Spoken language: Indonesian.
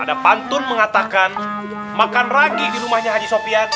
ada pantun mengatakan makan ragi di rumahnya haji sopiati